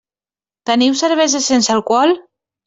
Teniu cervesa sense alcohol?